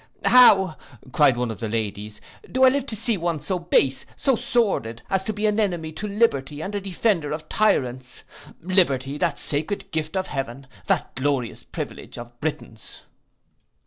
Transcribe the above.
'How,' cried one of the ladies, 'do I live to see one so base, so sordid, as to be an enemy to liberty, and a defender of tyrants? Liberty, that sacred gift of heaven, that glorious privilege of Britons!